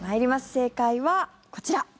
正解はこちら。